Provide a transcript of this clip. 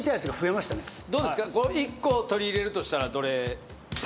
１個取り入れるとしたらどれ？